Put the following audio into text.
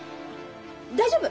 大丈夫。